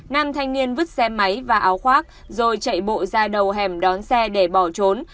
nam thanh niên vứt xe máy và áo khoác rồi chạy bộ ra đầu hẻm đón xe để bỏ trốn